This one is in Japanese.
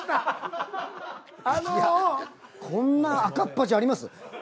こんな赤っ恥あります？